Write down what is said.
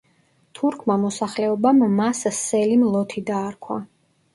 თურქმა მოსახლეობამ მას სელიმ „ლოთი“ დაარქვა.